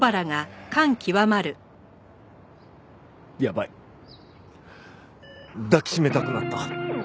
やばい抱きしめたくなった。